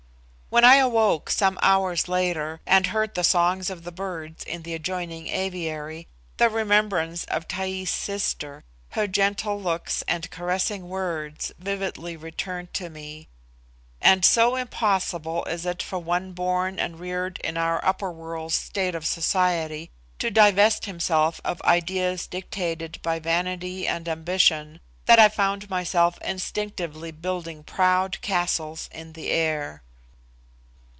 When I awoke some hours later, and heard the songs of the birds in the adjoining aviary, the remembrance of Taee's sister, her gentle looks and caressing words, vividly returned to me; and so impossible is it for one born and reared in our upper world's state of society to divest himself of ideas dictated by vanity and ambition, that I found myself instinctively building proud castles in the air.